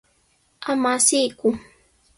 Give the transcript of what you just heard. Ama asiyku.